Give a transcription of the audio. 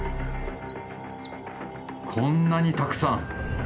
こんなにたくさん。